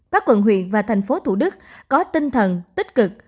các quận huyện và thành phố thủ đức có tinh thần tích cực